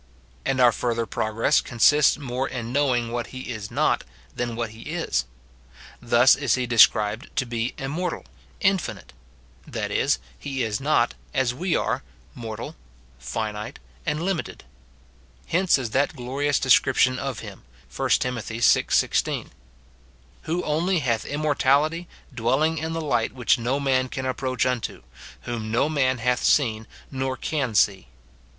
And our fur ther progress consists more in knowing what he is not, than what he is. Thus is he described to be immortal, infinite, — that is, he is not, as we are, mortal, finite, and limited. Hence is that glorious description of him, 1 Tim. vi. 16, " Who only hath immortality, dwelling in the light which no man can approach unto ; whom no man hath seen, nor can see."